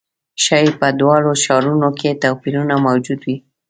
ښايي په دواړو ښارونو کې توپیرونه موجود وي.